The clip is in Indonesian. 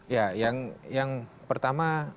ya yang pertama